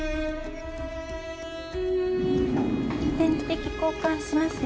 点滴交換しますね。